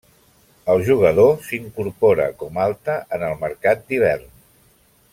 El jugador s'incorpora com alta en el mercat d'hivern.